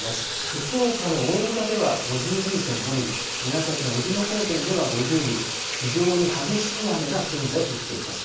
福岡の大牟田では５２．５ミリ、宮崎のえびの高原では５０ミリ、非常に激しい雨が現在降っています。